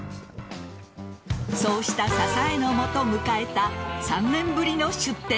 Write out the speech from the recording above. そうした支えのもと迎えた３年ぶりの出店。